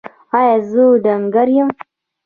ایا زه ډنګر یم؟